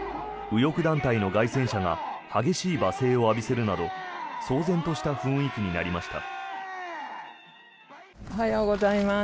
右翼団体の街宣車が激しい罵声を浴びせるなど騒然とした雰囲気になりました。